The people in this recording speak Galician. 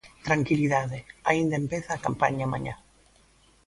Tranquilidade, aínda empeza a campaña mañá.